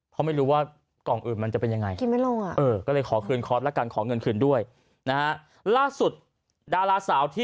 เพราะไม่รู้ว่ากล่องอื่นมันจะเป็นยังไง